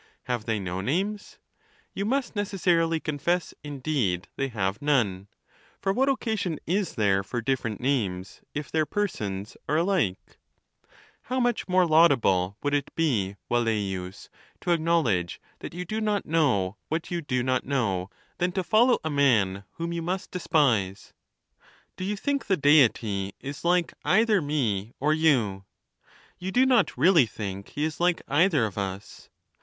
Have they no names ? You must necessarily confess, indeed, they have none ; for what occasion is there for different names if their persons are alike ? How much more laudable would it be, Velleius, to ac knowledge that you do not know what you do not know than to follow a man whom you must despise ! Do you think the Deity is like either me or you? You do not really think he is like either of us.